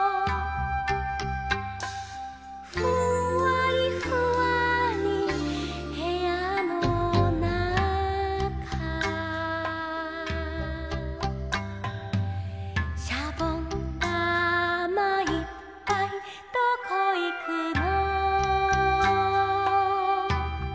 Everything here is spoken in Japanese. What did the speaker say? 「ふんわりふわーりまどのそと」「しゃぼんだまいっぱいどこいくの」